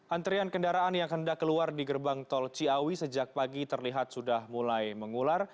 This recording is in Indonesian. antrian kendaraan yang hendak keluar di gerbang tol ciawi sejak pagi terlihat sudah mulai mengular